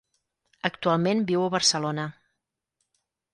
Actualment viu a Barcelona.